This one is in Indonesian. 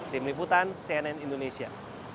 tim liputan cnn indonesia